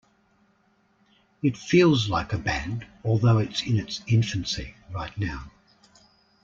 It feels like a band, although it's in its infancy right now.